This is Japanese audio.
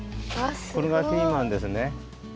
これがピーマンですね。